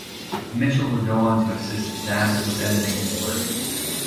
Mitchell would go on to assist Dabbs with editing his work.